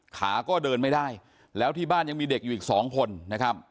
ขาก็เดินไม่ได้แล้วที่บ้านยังมีเด็กอยู่อีกสองคนนะครับ